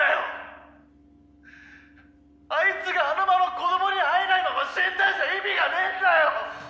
あいつがあのまま子供に会えないまま死んだんじゃ意味がねえんだよ！